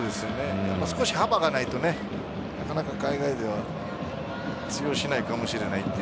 少し幅がないとなかなか海外では通用しないかもしれないと。